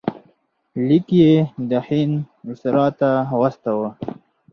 لیک یې د هند وایسرا ته واستاوه.